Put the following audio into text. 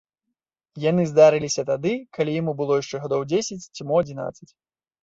Яны здарыліся тады, калі яму было яшчэ гадоў дзесяць ці мо адзінаццаць.